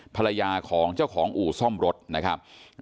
ภรรยาของเจ้าของอู่ซ่อมรถนะครับ